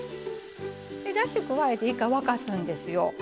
だし加えて１回沸かすんですよ。